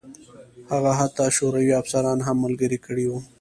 هغه حتی شوروي افسران هم ملګري کړي وو